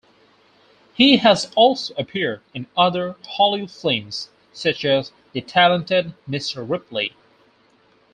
He has also appeared in other Hollywood films, such as "The Talented Mr. Ripley".